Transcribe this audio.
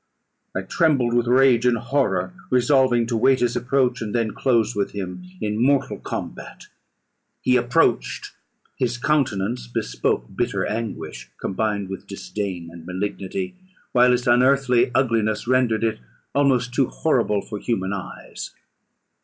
I trembled with rage and horror, resolving to wait his approach, and then close with him in mortal combat. He approached; his countenance bespoke bitter anguish, combined with disdain and malignity, while its unearthly ugliness rendered it almost too horrible for human eyes.